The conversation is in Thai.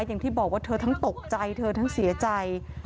อย่างที่บอกว่าเธอทั้งตกใจเธอทั้งเสียใจ